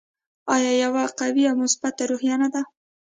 آیا یوه قوي او مثبته روحیه نه ده؟